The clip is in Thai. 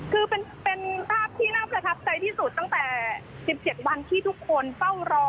คือเป็นภาพที่น่าประทับใจที่สุดตั้งแต่๑๗วันที่ทุกคนเฝ้ารอ